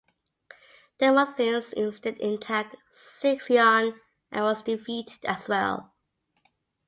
Demosthenes instead attacked Sicyon and was defeated as well.